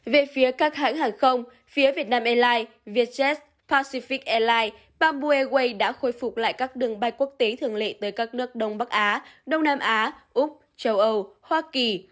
về phía các hãng hàng không phía việt nam airlines vietjet pacific airlines bamboo airways đã khôi phục lại các đường bay quốc tế thường lệ tới các nước đông bắc á đông nam á úc châu âu hoa kỳ